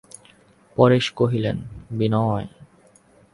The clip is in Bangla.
পরেশ কহিলেন, বিনয়!